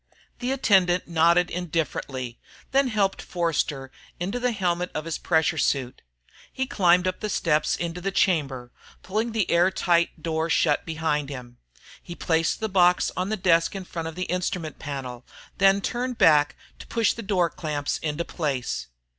The attendant nodded indifferently, then helped Forster into the helmet of his pressure suit. He climbed up the steps into the chamber, pulling the airtight door shut behind him. He placed the box on the desk in front of the instrument panel, then turned back to push the door clamps into place.